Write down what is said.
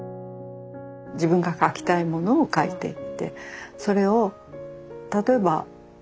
自分が描きたいものを描いていってそれを例えば読む人それぞれね